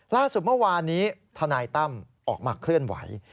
ล่าสุดเมื่อวานนี้ทนายตั้มออกมาเคลื่อนไหว